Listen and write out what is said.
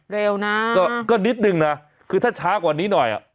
เร็วนะก็นิดนึงนะคือถ้าช้ากว่านี้หน่อยอ่ะ